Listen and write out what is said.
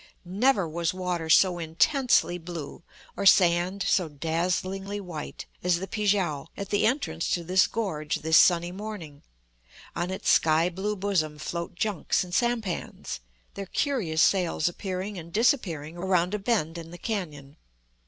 Never was water so intensely blue, or sand so dazzlingly white, as the Pi kiang at the entrance to this gorge this sunny morning; on its sky blue bosom float junks and sampans, their curious sails appearing and disappearing around a bend in the canon.